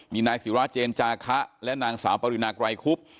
มีนายศิราเจนจาคะและนางสาวปรินาไกรคุบ